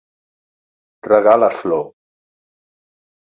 Regar la flor.